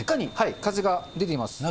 風が出ています。